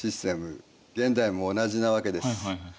現代も同じなわけです。